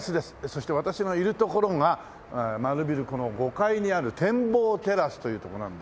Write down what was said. そして私のいる所が丸ビルこの５階にある展望テラスという所なんで。